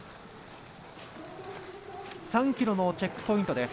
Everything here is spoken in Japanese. ３ｋｍのチェックポイント。